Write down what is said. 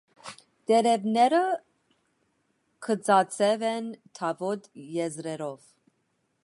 Տերևները գծաձև են՝ թավոտ եզրերով։